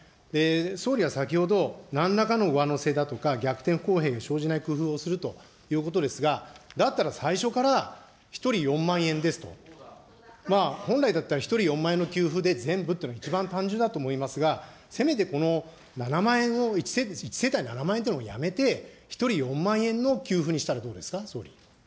総理は先ほど、なんらかの上乗せだとか、逆転不公平が生じない工夫をするということですが、だったら最初から、１人４万円ですと、まあ本来だったら、１人４万円の給付で全部というのが一番単純だと思いますが、せめてこの７万円を、１世帯７万円というのをやめて、１人４万円の給付にしたらどうですか、総理。